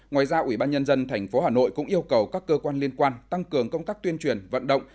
ngoài ra ủy ban nhân dân tp hà nội cũng yêu cầu các cơ quan liên quan tăng cường công tác tuyên truyền vận động